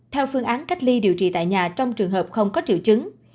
theo phương án cách ly điều trị tại nhà trong trường hợp không có triệu chứng